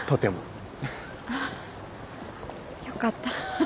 あっよかった。